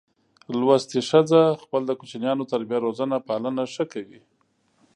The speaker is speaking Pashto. لوستي ښځه خپل د کوچینیانو تربیه روزنه پالنه ښه کوي.